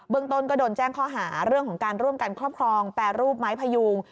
ต้นก็โดนแจ้งข้อหาเรื่องของการร่วมกันครอบครองแปรรูปไม้พยูง